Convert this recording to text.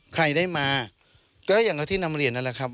ใครได้มาก็อย่างที่นำเรียนนั่นแหละครับ